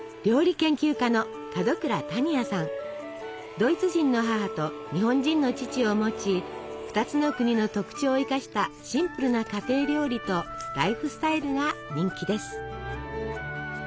ドイツ人の母と日本人の父を持ち２つの国の特徴を生かしたシンプルな家庭料理とライフスタイルが人気です。